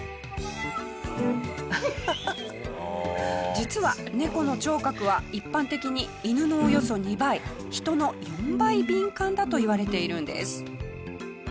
実はネコの聴覚は一般的に犬のおよそ２倍人の４倍敏感だといわれているんです。